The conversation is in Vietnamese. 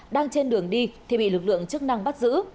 đang trên đường đi thì bị lực lượng chức năng bắt giữ